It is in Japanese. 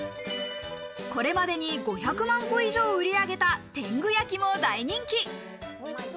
これまでに５００万個以上売り上げた、天狗焼も大人気。